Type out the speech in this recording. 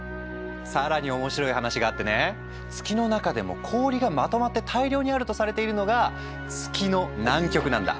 更に面白い話があってね月の中でも氷がまとまって大量にあるとされているのが「月の南極」なんだ。